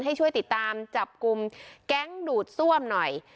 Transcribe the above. ให้ช่วยติดตามจับกลุ่มแก๊งดูดซ่วมหน่อย